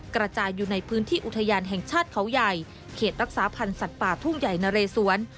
กระจายอยู่ในพื้นที่อุทยานแห่งชาติเขาใหญ่เขตรักษาพันธ์สัตว์ป่าทุ่งใหญ่นะเรสวน